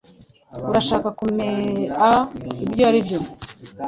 Urashaka kumea ibyo aribyo?